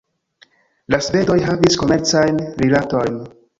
La svedoj havis komercajn rilatojn.